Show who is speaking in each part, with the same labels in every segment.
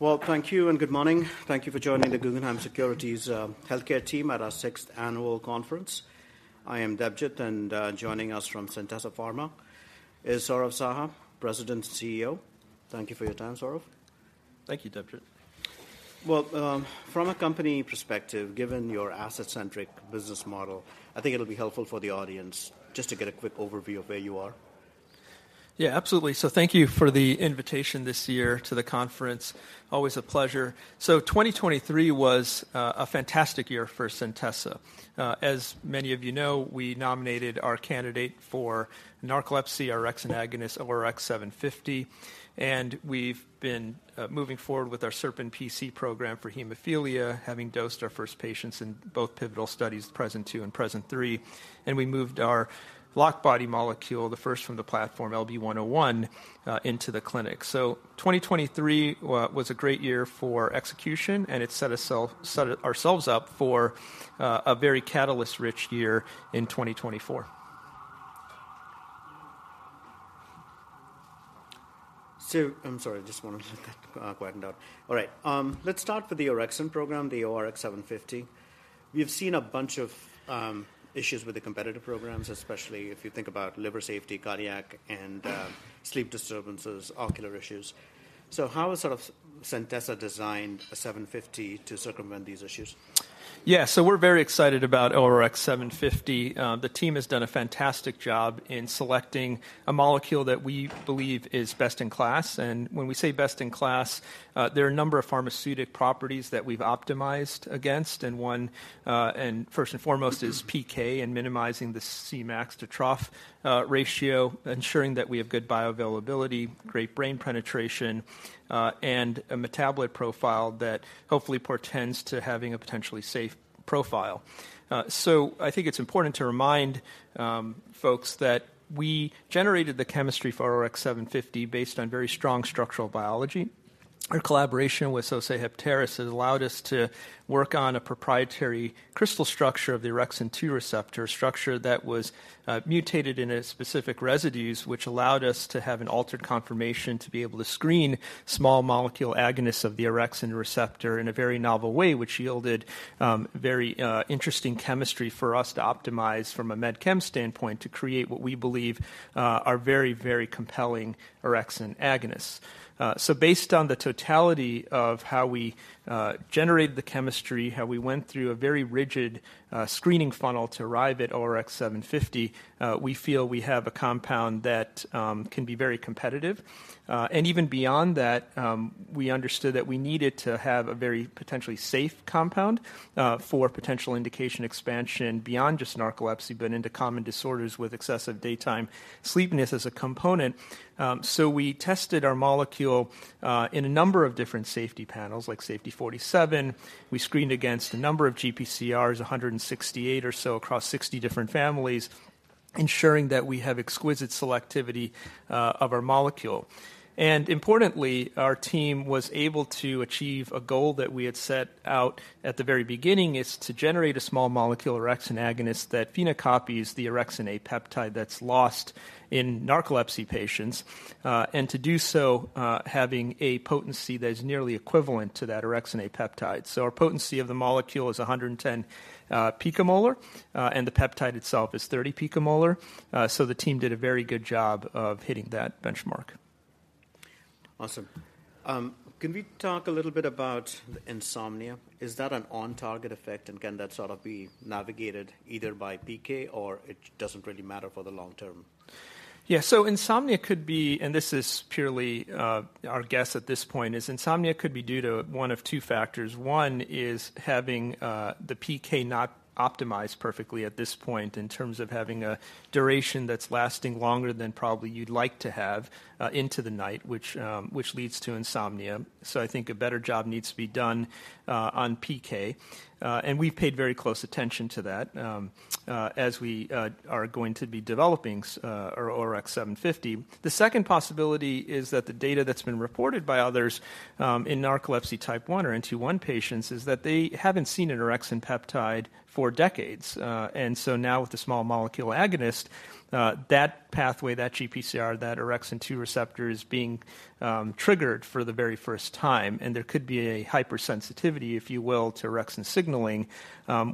Speaker 1: Well, thank you and good morning. Thank you for joining the Guggenheim Securities Healthcare team at our sixth annual conference. I am Debjit, and joining us from Centessa Pharmaceuticals is Saurabh Saha, President and CEO. Thank you for your time, Saurabh.
Speaker 2: Thank you, Debjit.
Speaker 1: Well, from a company perspective, given your asset-centric business model, I think it'll be helpful for the audience just to get a quick overview of where you are.
Speaker 2: Yeah, absolutely. So thank you for the invitation this year to the conference. Always a pleasure. So 2023 was a fantastic year for Centessa. As many of you know, we nominated our candidate for narcolepsy, orexin agonist, ORX750, and we've been moving forward with our SerpinPC program for hemophilia, having dosed our first patients in both pivotal studies, PRESent-2 and PRESent-3. And we moved our LockBody molecule, the first from the platform, LB101, into the clinic. So 2023 was a great year for execution, and it set ourselves up for a very catalyst-rich year in 2024.
Speaker 1: So, I'm sorry, just wanted to let that quieten down. All right. Let's start with the orexin program, the ORX750. We've seen a bunch of issues with the competitive programs, especially if you think about liver safety, cardiac, and sleep disturbances, ocular issues. So how has Centessa designed a 750 to circumvent these issues?
Speaker 2: Yeah. So we're very excited about ORX750. The team has done a fantastic job in selecting a molecule that we believe is best-in-class. And when we say best-in-class, there are a number of pharmaceutical properties that we've optimized against, and one, and first and foremost, is PK and minimizing the Cmax to trough ratio, ensuring that we have good bioavailability, great brain penetration, and a metabolite profile that hopefully portends to having a potentially safe profile. So I think it's important to remind folks that we generated the chemistry for ORX750 based on very strong structural biology. Our collaboration with Sosei Heptares has allowed us to work on a proprietary crystal structure of the orexin-2 receptor, a structure that was mutated in its specific residues, which allowed us to have an altered conformation to be able to screen small molecule agonists of the orexin receptor in a very novel way, which yielded very interesting chemistry for us to optimize from a med chem standpoint, to create what we believe are very, very compelling orexin agonists. So based on the totality of how we generated the chemistry, how we went through a very rigid screening funnel to arrive at ORX750, we feel we have a compound that can be very competitive. And even beyond that, we understood that we needed to have a very potentially safe compound, for potential indication expansion beyond just narcolepsy, but into common disorders with excessive daytime sleepiness as a component. So we tested our molecule, in a number of different safety panels, like SafetyScreen44. We screened against a number of GPCRs, 168 or so, across 60 different families, ensuring that we have exquisite selectivity, of our molecule. And importantly, our team was able to achieve a goal that we had set out at the very beginning, is to generate a small molecule orexin agonist that phenocopies the orexin-A peptide that's lost in narcolepsy patients, and to do so, having a potency that is nearly equivalent to that orexin-A peptide. So our potency of the molecule is 110 picomolar, and the peptide itself is 30 picomolar. So the team did a very good job of hitting that benchmark.
Speaker 1: Awesome. Can we talk a little bit about the insomnia? Is that an on-target effect, and can that sort of be navigated either by PK or it doesn't really matter for the long term?
Speaker 2: Yeah, so insomnia could be, and this is purely, our guess at this point, is insomnia could be due to one of two factors. One is having, the PK not optimized perfectly at this point in terms of having a duration that's lasting longer than probably you'd like to have, into the night, which, which leads to insomnia. So I think a better job needs to be done, on PK, and we've paid very close attention to that, as we, are going to be developing ORX750. The second possibility is that the data that's been reported by others, in narcolepsy type 1 or NT2 patients, is that they haven't seen an orexin peptide for decades. Now with the small molecule agonist, that pathway, that GPCR, that orexin receptor 2 is being triggered for the very first time, and there could be a hypersensitivity, if you will, to orexin signaling,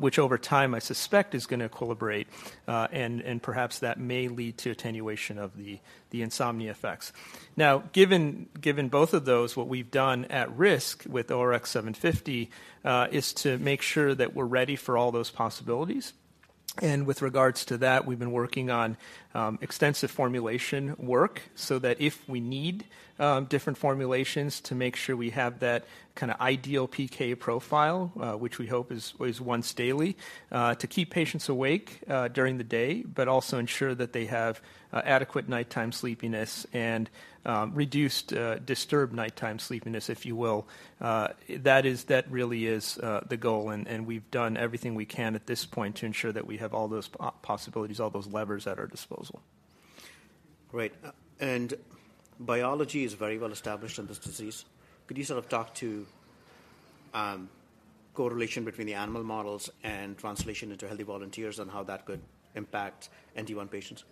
Speaker 2: which over time I suspect is gonna equilibrate, and perhaps that may lead to attenuation of the insomnia effects. Now, given both of those, what we've done at risk with ORX750 is to make sure that we're ready for all those possibilities. And with regards to that, we've been working on extensive formulation work so that if we need different formulations to make sure we have that kinda ideal PK profile, which we hope is once daily to keep patients awake during the day, but also ensure that they have adequate nighttime sleepiness and reduced disturbed nighttime sleepiness, if you will. That is, that really is the goal, and we've done everything we can at this point to ensure that we have all those possibilities, all those levers at our disposal.
Speaker 1: Great. Biology is very well established in this disease. Could you sort of talk to correlation between the animal models and translation into healthy volunteers and how that could impact NT1 patients?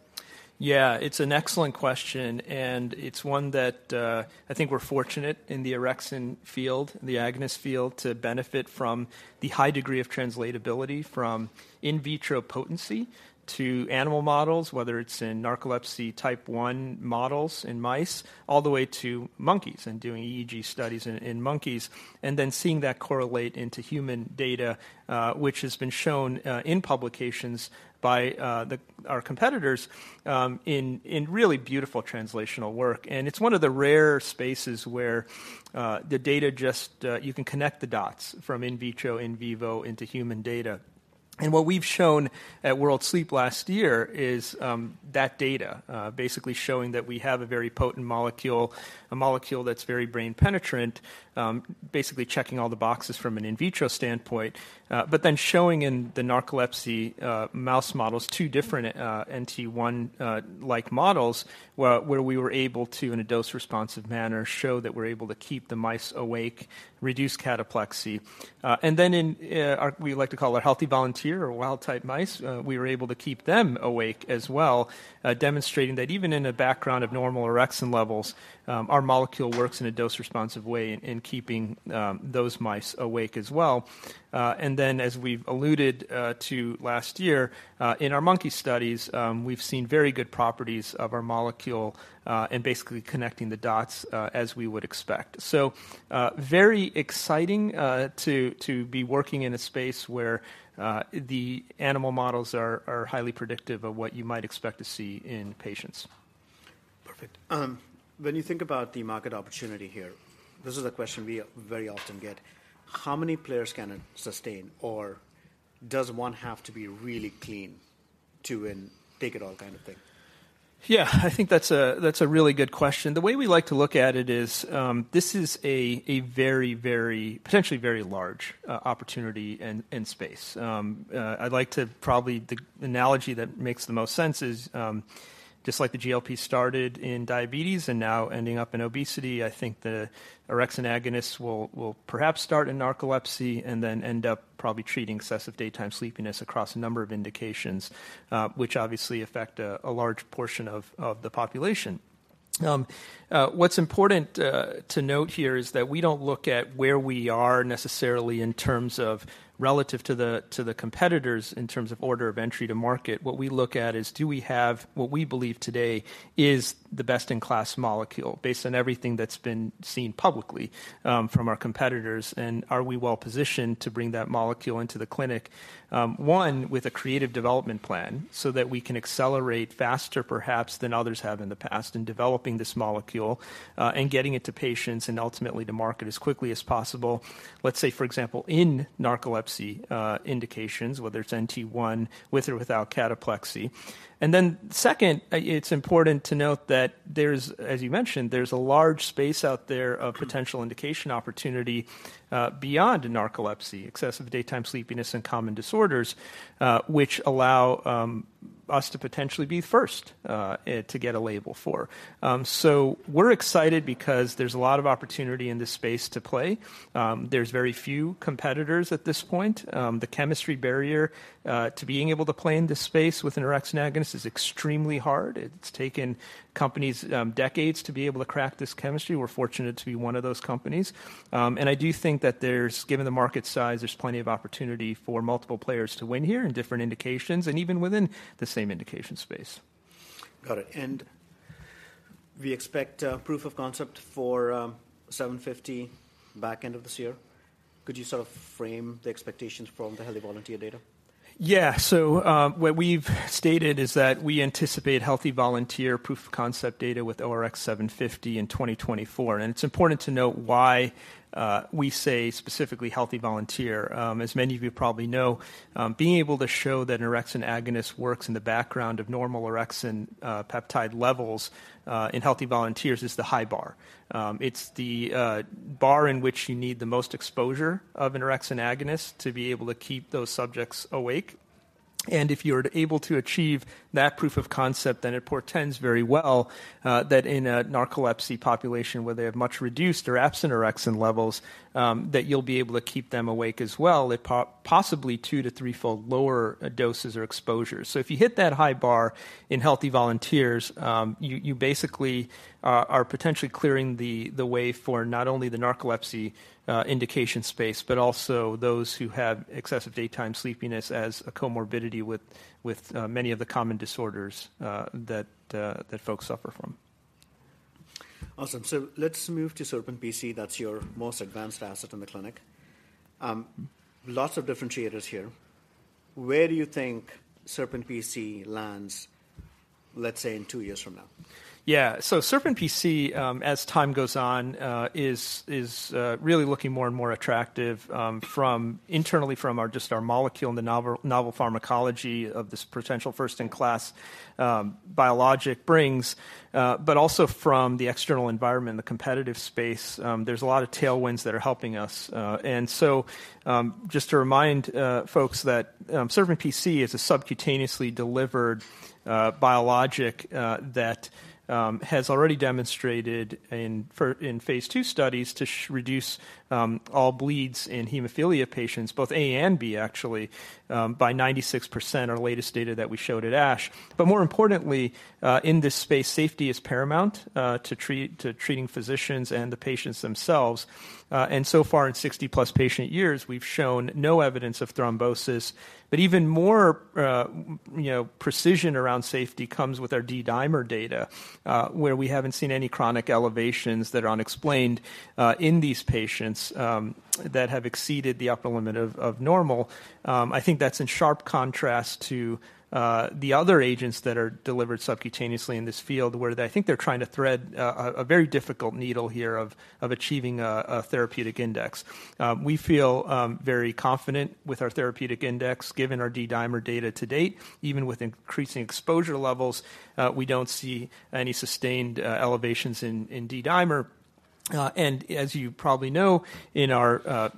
Speaker 2: Yeah, it's an excellent question, and it's one that I think we're fortunate in the orexin field, the agonist field, to benefit from the high degree of translatability from in vitro potency to animal models, whether it's in narcolepsy Type 1 models in mice, all the way to monkeys, and doing EEG studies in monkeys, and then seeing that correlate into human data, which has been shown in publications by our competitors in really beautiful translational work. And it's one of the rare spaces where the data just you can connect the dots from in vitro, in vivo, into human data. What we've shown at World Sleep last year is that data, basically showing that we have a very potent molecule, a molecule that's very brain penetrant, basically checking all the boxes from an in vitro standpoint, but then showing in the narcolepsy mouse models, two different NT1-like models, where we were able to, in a dose-responsive manner, show that we're able to keep the mice awake, reduce cataplexy. And then in our we like to call our healthy volunteer or wild-type mice, we were able to keep them awake as well, demonstrating that even in a background of normal orexin levels, our molecule works in a dose-responsive way in keeping those mice awake as well. Then, as we've alluded to last year, in our monkey studies, we've seen very good properties of our molecule, and basically connecting the dots, as we would expect. So, very exciting to be working in a space where the animal models are highly predictive of what you might expect to see in patients.
Speaker 1: Perfect. When you think about the market opportunity here, this is a question we very often get: How many players can it sustain, or does one have to be really clean to win, take it all kind of thing?
Speaker 2: Yeah, I think that's a really good question. The way we like to look at it is, this is a very, very, potentially very large opportunity and space. I'd like to, probably the analogy that makes the most sense is, just like the GLP started in diabetes and now ending up in obesity, I think the orexin agonists will perhaps start in narcolepsy and then end up probably treating excessive daytime sleepiness across a number of indications, which obviously affect a large portion of the population. What's important to note here is that we don't look at where we are necessarily in terms of relative to the competitors, in terms of order of entry to market. What we look at is, do we have what we believe today is the best-in-class molecule, based on everything that's been seen publicly, from our competitors? And are we well-positioned to bring that molecule into the clinic, one, with a creative development plan, so that we can accelerate faster, perhaps, than others have in the past in developing this molecule, and getting it to patients and ultimately to market as quickly as possible, let's say, for example, in narcolepsy, indications, whether it's NT1, with or without cataplexy. And then second, it's important to note that there's, as you mentioned, a large space out there of potential indication opportunity, beyond narcolepsy, excessive daytime sleepiness, and common disorders, which allow, us to potentially be first, to get a label for. So we're excited because there's a lot of opportunity in this space to play. There's very few competitors at this point. The chemistry barrier to being able to play in this space with an orexin agonist is extremely hard. It's taken companies decades to be able to crack this chemistry. We're fortunate to be one of those companies. And I do think that there's, given the market size, there's plenty of opportunity for multiple players to win here in different indications and even within the same indication space.
Speaker 1: Got it. And we expect proof of concept for ORX750 back end of this year. Could you sort of frame the expectations from the healthy volunteer data?
Speaker 2: Yeah. So, what we've stated is that we anticipate healthy volunteer proof-of-concept data with ORX750 in 2024. And it's important to note why we say specifically healthy volunteer. As many of you probably know, being able to show that an orexin agonist works in the background of normal orexin peptide levels in healthy volunteers is the high bar. It's the bar in which you need the most exposure of an orexin agonist to be able to keep those subjects awake. And if you're able to achieve that proof of concept, then it portends very well that in a narcolepsy population, where they have much reduced or absent orexin levels, that you'll be able to keep them awake as well, at possibly 2- to threefold lower doses or exposures. So if you hit that high bar in healthy volunteers, you basically are potentially clearing the way for not only the narcolepsy indication space but also those who have excessive daytime sleepiness as a comorbidity with many of the common disorders that folks suffer from.
Speaker 1: Awesome. So let's move to SerpinPC. That's your most advanced asset in the clinic. Lots of differentiators here. Where do you think SerpinPC lands?... let's say, in two years from now?
Speaker 2: Yeah. So SerpinPC, as time goes on, is really looking more and more attractive, from internally from our just our molecule and the novel, novel pharmacology of this potential first-in-class biologic brings, but also from the external environment, the competitive space. There's a lot of tailwinds that are helping us. And so, just to remind folks that SerpinPC is a subcutaneously delivered biologic that has already demonstrated in phase 2 studies to reduce all bleeds in hemophilia patients, both A and B, actually, by 96%, our latest data that we showed at ASH. But more importantly, in this space, safety is paramount to treating physicians and the patients themselves. And so far, in 60+ patient years, we've shown no evidence of thrombosis. But even more, you know, precision around safety comes with our D-dimer data, where we haven't seen any chronic elevations that are unexplained in these patients that have exceeded the upper limit of normal. I think that's in sharp contrast to the other agents that are delivered subcutaneously in this field, where I think they're trying to thread a very difficult needle here of achieving a therapeutic index. We feel very confident with our therapeutic index, given our D-dimer data to date. Even with increasing exposure levels, we don't see any sustained elevations in D-dimer. And as you probably know, in our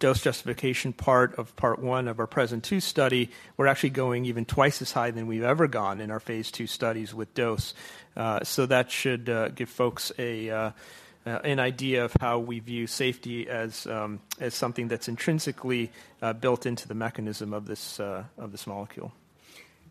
Speaker 2: dose justification part of part one of our PRESent-2 study, we're actually going even twice as high than we've ever gone in our phase two studies with dose. So that should give folks an idea of how we view safety as something that's intrinsically built into the mechanism of this molecule.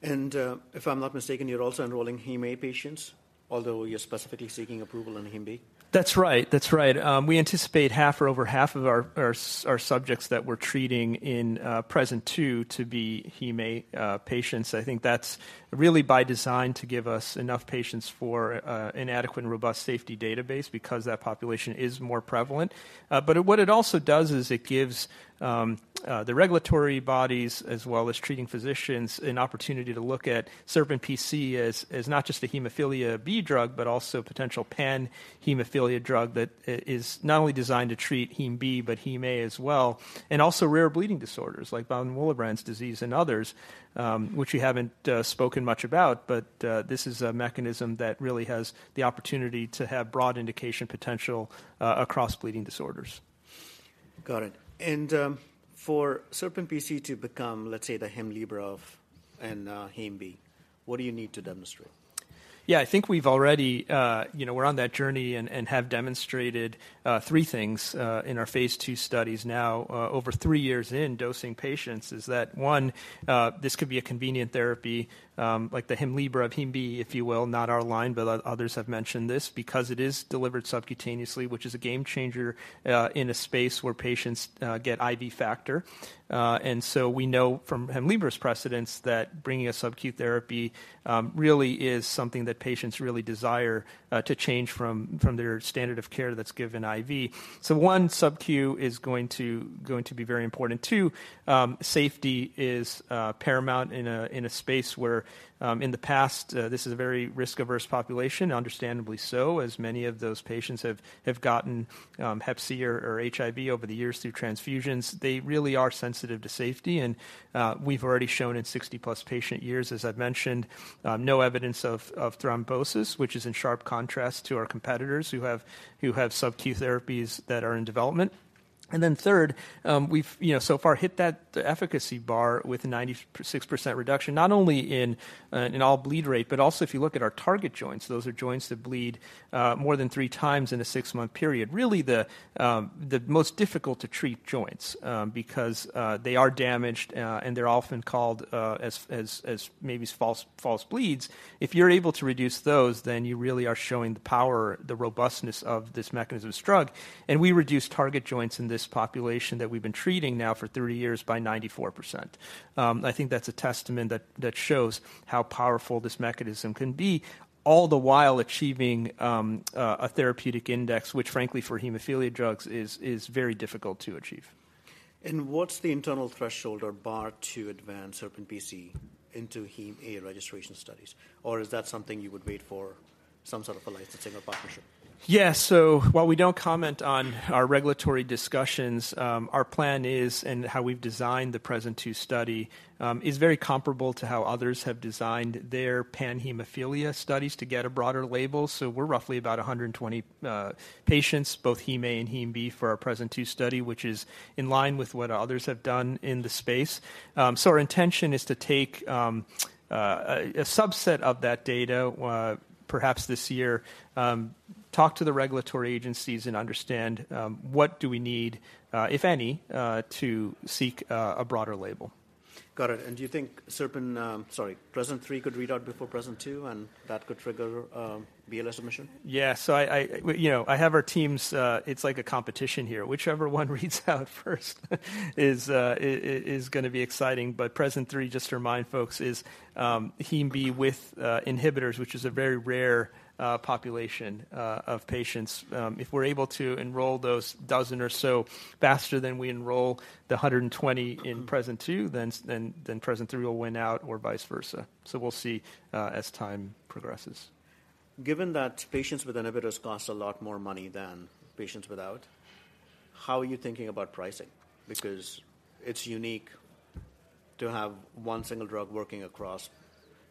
Speaker 1: If I'm not mistaken, you're also enrolling Hem A patients, although you're specifically seeking approval in Hem B?
Speaker 2: That's right. That's right. We anticipate half or over half of our subjects that we're treating in PRESent-2 to be Hem A patients. I think that's really by design to give us enough patients for an adequate and robust safety database because that population is more prevalent. But what it also does is it gives the regulatory bodies, as well as treating physicians, an opportunity to look at SerpinPC as not just a hemophilia B drug, but also potential pan-hemophilia drug that is not only designed to treat Hem B, but Hem A as well, and also rare bleeding disorders like von Willebrand disease and others, which we haven't spoken much about. But this is a mechanism that really has the opportunity to have broad indication potential across bleeding disorders.
Speaker 1: Got it. And, for SerpinPC to become, let's say, the Hemlibra of Hem B, what do you need to demonstrate?
Speaker 2: Yeah, I think we've already, you know, we're on that journey and have demonstrated three things in our phase two studies now, over three years in dosing patients, is that, one, this could be a convenient therapy, like the Hemlibra of Hem B, if you will, not our line, but others have mentioned this, because it is delivered subcutaneously, which is a game changer, in a space where patients get IV factor. And so we know from Hemlibra's precedents that bringing a sub-Q therapy really is something that patients really desire, to change from their standard of care that's given IV. So one, sub-Q is going to be very important. Two, safety is paramount in a space where, in the past, this is a very risk-averse population, understandably so, as many of those patients have gotten hep C or HIV over the years through transfusions. They really are sensitive to safety, and we've already shown in 60+ patient years, as I've mentioned, no evidence of thrombosis, which is in sharp contrast to our competitors who have sub-Q therapies that are in development. And then third, we've, you know, so far hit that efficacy bar with a 96% reduction, not only in all-bleed rate, but also if you look at our target Joints, those are joints that bleed more than three times in a six-month period. Really, the most difficult to treat joints, because they are damaged, and they're often called as maybe false bleeds. If you're able to reduce those, then you really are showing the power, the robustness of this mechanism of this drug, and we reduce target Joints in this population that we've been treating now for 30 years by 94%. I think that's a testament that shows how powerful this mechanism can be, all the while achieving a therapeutic index, which frankly, for hemophilia drugs, is very difficult to achieve.
Speaker 1: What's the internal threshold or bar to advance SerpinPC into Hem A registration studies? Or is that something you would wait for some sort of a licensing or partnership?
Speaker 2: Yeah. So while we don't comment on our regulatory discussions, our plan is, and how we've designed the PRESent-2 study, is very comparable to how others have designed their pan-hemophilia studies to get a broader label. So we're roughly about 120 patients, both Hem A and Hem B, for our PRESent-2 study, which is in line with what others have done in the space. So our intention is to take a subset of that data, perhaps this year, talk to the regulatory agencies and understand what do we need, if any, to seek a broader label.
Speaker 1: Got it. Do you think Serpin... sorry, PRESent-3 could read out before PRESent-2, and that could trigger, BLA submission?
Speaker 2: Yeah. So you know, I have our teams, it's like a competition here. Whichever one reads out first is gonna be exciting. But PRESent-3, just to remind folks, is Hem B with inhibitors, which is a very rare population of patients. If we're able to enroll those 12 or so faster than we enroll the 120 in PRESent-2, then PRESent-3 will win out or vice versa. So we'll see as time progresses....
Speaker 1: Given that patients with inhibitors cost a lot more money than patients without, how are you thinking about pricing? Because it's unique to have one single drug working across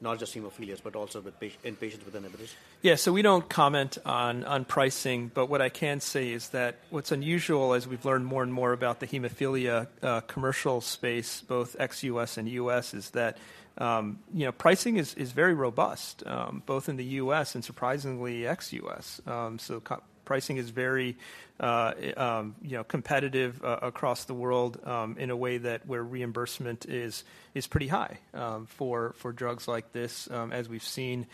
Speaker 1: not just hemophilias, but also with patients with inhibitors.
Speaker 2: Yeah, so we don't comment on, on pricing, but what I can say is that what's unusual as we've learned more and more about the hemophilia commercial space, both ex-US and US, is that, you know, pricing is, is very robust, both in the US and surprisingly, ex-US. So co-pricing is very, you know, competitive across the world, in a way that where reimbursement is, is pretty high, for, for drugs like this, as we've seen,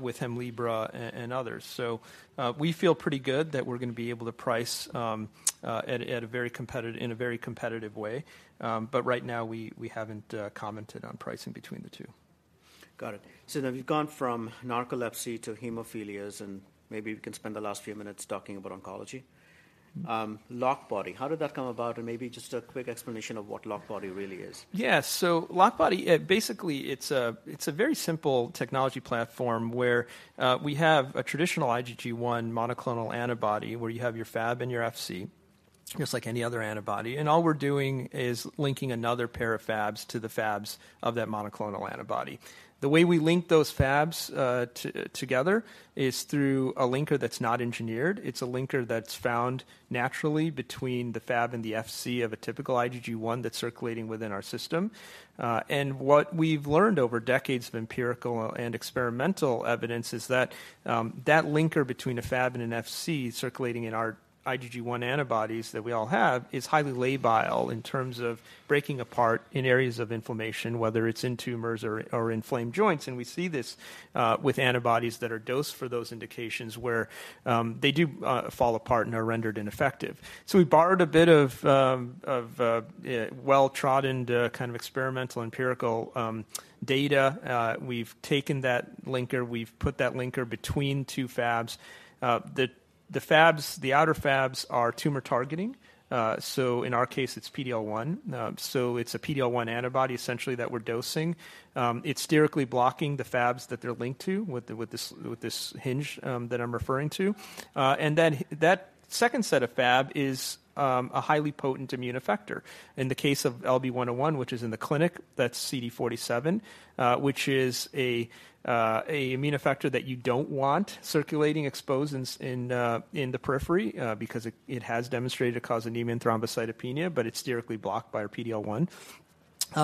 Speaker 2: with Hemlibra and others. So, we feel pretty good that we're gonna be able to price, at, at a very competitive in a very competitive way. But right now, we, we haven't commented on pricing between the two.
Speaker 1: Got it. So now we've gone from narcolepsy to hemophilia, and maybe we can spend the last few minutes talking about oncology. LockBody, how did that come about? And maybe just a quick explanation of what LockBody really is.
Speaker 2: Yeah. So LockBody, basically, it's a very simple technology platform where we have a traditional IgG1 monoclonal antibody, where you have your Fab and your Fc, just like any other antibody. And all we're doing is linking another pair of Fabs to the Fabs of that monoclonal antibody. The way we link those Fabs together is through a linker that's not engineered. It's a linker that's found naturally between the Fab and the Fc of a typical IgG1 that's circulating within our system. And what we've learned over decades of empirical and experimental evidence is that that linker between a Fab and an Fc circulating in our IgG1 antibodies that we all have is highly labile in terms of breaking apart in areas of inflammation, whether it's in tumors or inflamed joints, and we see this with antibodies that are dosed for those indications, where they do fall apart and are rendered ineffective. So we borrowed a bit of well-trodden kind of experimental empirical data. We've taken that linker, we've put that linker between two Fabs. The Fabs, the outer Fabs are tumor targeting. So in our case, it's PD-L1. So it's a PD-L1 antibody, essentially, that we're dosing. It's sterically blocking the Fabs that they're linked to, with this hinge that I'm referring to. And then that second set of Fab is a highly potent immune effector. In the case of LB101, which is in the clinic, that's CD47, which is a immune effector that you don't want circulating exposed in the periphery, because it has demonstrated to cause anemia and thrombocytopenia, but it's sterically blocked by our PD-L1.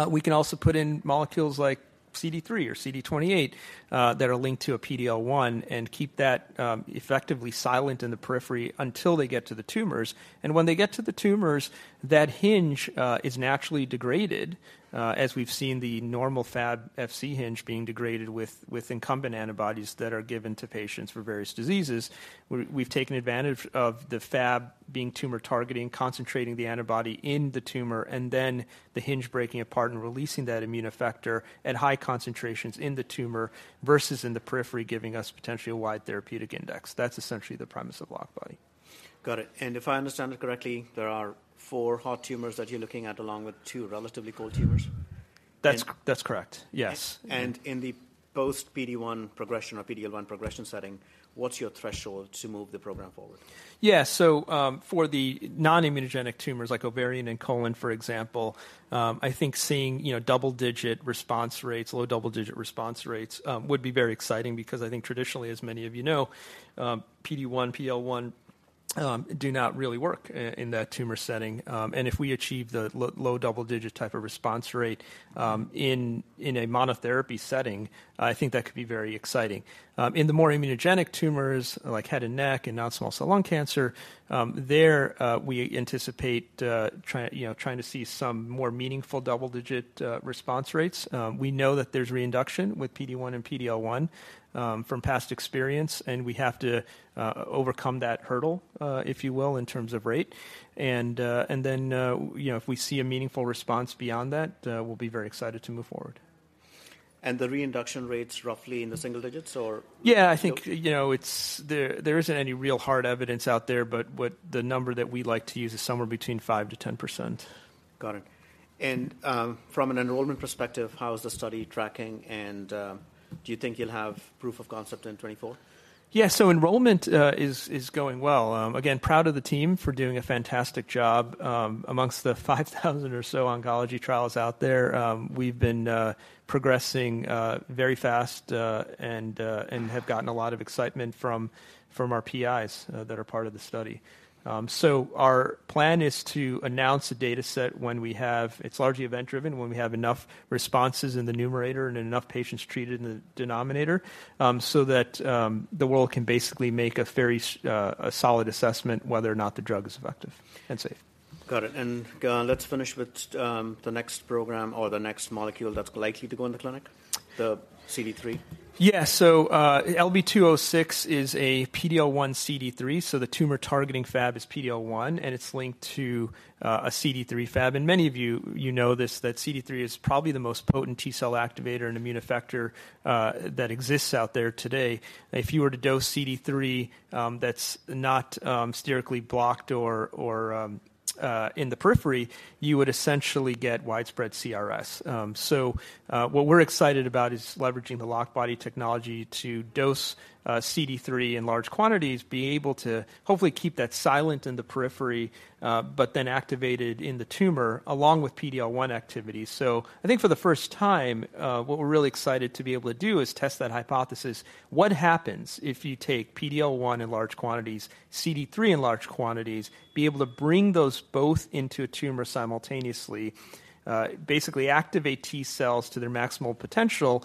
Speaker 2: We can also put in molecules like CD3 or CD28 that are linked to a PD-L1 and keep that effectively silent in the periphery until they get to the tumors. When they get to the tumors, that hinge is naturally degraded as we've seen the normal Fab Fc hinge being degraded with incumbent antibodies that are given to patients for various diseases. We've taken advantage of the Fab being tumor targeting, concentrating the antibody in the tumor, and then the hinge breaking apart and releasing that immune effector at high concentrations in the tumor versus in the periphery, giving us potentially a wide therapeutic index. That's essentially the premise of LockBody.
Speaker 1: Got it. If I understand it correctly, there are four hot tumors that you're looking at, along with two relatively cold tumors?
Speaker 2: That's correct. Yes.
Speaker 1: In the post PD-1 progression or PD-L1 progression setting, what's your threshold to move the program forward?
Speaker 2: Yeah. So, for the non-immunogenic tumors, like ovarian and colon, for example, I think seeing, you know, double-digit response rates, low double-digit response rates, would be very exciting because I think traditionally, as many of you know, PD-1, PD-L1, do not really work in that tumor setting. And if we achieve the low double-digit type of response rate, in a monotherapy setting, I think that could be very exciting. In the more immunogenic tumors, like head and neck and non-small cell lung cancer, there, we anticipate, you know, trying to see some more meaningful double-digit, response rates. We know that there's reinduction with PD-1 and PD-L1, from past experience, and we have to, overcome that hurdle, if you will, in terms of rate. And then, you know, if we see a meaningful response beyond that, we'll be very excited to move forward.
Speaker 1: The reinduction rate's roughly in the single digits or?
Speaker 2: Yeah, I think, you know, it's... There isn't any real hard evidence out there, but what the number that we like to use is somewhere between 5%-10%.
Speaker 1: Got it. And, from an enrollment perspective, how is the study tracking, and, do you think you'll have proof of concept in 2024?
Speaker 2: Yeah. So enrollment is going well. Again, proud of the team for doing a fantastic job. Among the 5,000 or so oncology trials out there, we've been progressing very fast and have gotten a lot of excitement from our PIs that are part of the study. So our plan is to announce a data set when we have, it's largely event-driven, when we have enough responses in the numerator and enough patients treated in the denominator, so that the world can basically make a very solid assessment whether or not the drug is effective and safe.
Speaker 1: Got it. And, let's finish with the next program or the next molecule that's likely to go in the clinic, the CD3.
Speaker 2: Yeah. So, LB206 is a PD-L1 CD3, so the tumor targeting Fab is PD-L1, and it's linked to a CD3 Fab. And many of you, you know this, that CD3 is probably the most potent T-cell activator and immune effector that exists out there today. If you were to dose CD3 that's not sterically blocked or in the periphery, you would essentially get widespread CRS. So, what we're excited about is leveraging the LockBody technology to dose CD3 in large quantities, being able to hopefully keep that silent in the periphery, but then activated in the tumor, along with PD-L1 activity. So I think for the first time, what we're really excited to be able to do is test that hypothesis: What happens if you take PD-L1 in large quantities, CD3 in large quantities, be able to bring those both into a tumor simultaneously, basically activate T-cells to their maximal potential,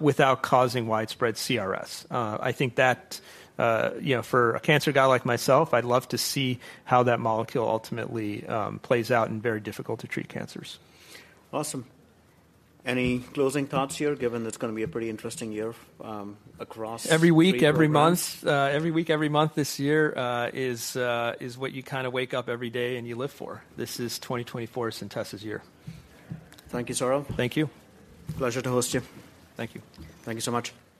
Speaker 2: without causing widespread CRS? I think that, you know, for a cancer guy like myself, I'd love to see how that molecule ultimately plays out in very difficult-to-treat cancers.
Speaker 1: Awesome. Any closing thoughts here, given it's gonna be a pretty interesting year, across-
Speaker 2: Every week, every month. Every week, every month this year is what you kind of wake up every day and you live for. This is 2024 Centessa's year.
Speaker 1: Thank you, Saurabh.
Speaker 2: Thank you.
Speaker 1: Pleasure to host you.
Speaker 2: Thank you.
Speaker 1: Thank you so much.